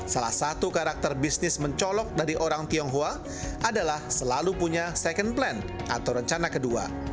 salah satu karakter bisnis mencolok dari orang tionghoa adalah selalu punya second plan atau rencana kedua